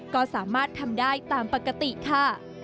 ก็สามารถทำได้ตามปกติค่ะ